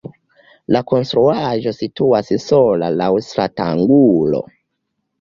La konstruaĵo situas sola laŭ stratangulo.